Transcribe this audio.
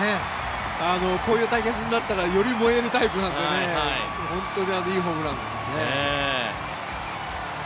こういう対決になったらより燃えるタイプなので本当にいいホームランですよね。